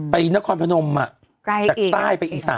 ไปนครพนมอ่ะใกล้อีกจากใต้ไปอีสาน